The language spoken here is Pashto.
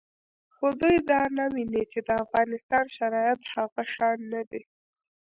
خو دوی دا نه ویني چې د افغانستان شرایط هغه شان نه دي